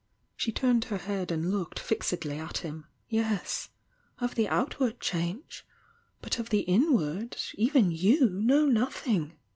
She turned her head and looked fixedly at him. "Yes. Of the outward change. But of Uie in ward, even you know nothing!"